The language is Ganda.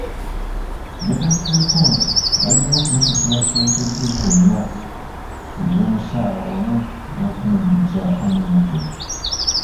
Yagasseeko nti balina okumusasula ssente zonna ez'omusaala wamu n'okumuddiza omulimu gwe.